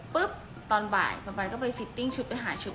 ปึ๊บตอนบ่ายมันก็ไปฟิตติ้งชุดไปหาชุด